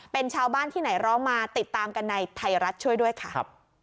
เป็นชาวบ้านที่ไหนร้องมาติดตามกันในไทยรัฐช่วยด้วยค่ะ